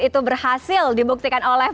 itu berhasil dibuktikan oleh